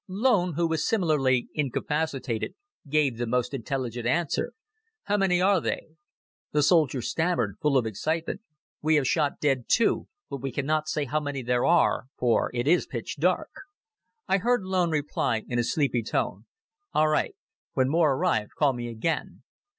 Loen, who was similarly incapacitated, gave the most intelligent answer: "How many are they?" The soldier stammered, full of excitement, "We have shot dead two, but we cannot say how many there are for it is pitch dark." I heard Loen reply, in a sleepy tone: "All right. When more arrive call me again."